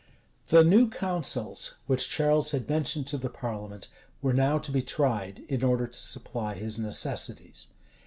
The "new counsels," which Charles had mentioned to the parliament, were now to be tried, in order to supply his necessities.